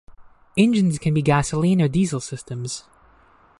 Engines can be gasoline or diesel systems.